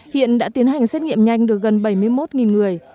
hiện đã tiến hành xét nghiệm nhanh được gần bảy mươi một người